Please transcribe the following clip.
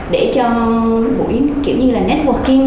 để cho buổi kiểu như là networking